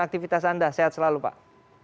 aktivitas anda sehat selalu pak